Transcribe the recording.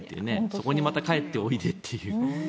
そこにまた帰っておいでという。